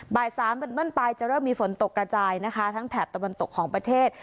บ่ายสามเป็นต้นไปจะเริ่มมีฝนตกกระจายนะคะทั้งแถบตะวันตกของประเทศ